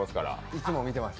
いつも見てます。